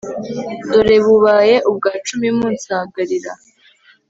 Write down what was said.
dore bubaye ubwa cumi munsagarira